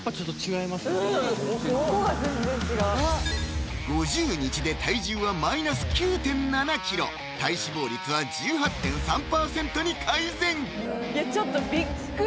うんここが全然違う５０日で体重はマイナス９．７ｋｇ体脂肪率は１８．３％に改善！